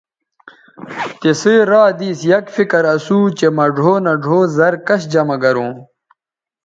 تِسئ را دِس یک فکر اسُو چہء مہ ڙھؤ نہ ڙھؤ زَر کش جمہ گروں